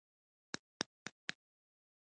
احمد وویل دا میوه قيمتي ده غريب یې نه خوري.